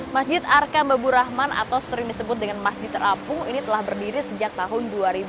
masjid arka babur rahman atau sering disebut dengan masjid terapung ini telah berdiri sejak tahun dua ribu